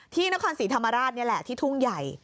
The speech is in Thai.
ที่นครศรีธรรมราชนี่แหละที่ทุ่งใหญ่